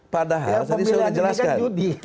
padahal tadi sudah dijelaskan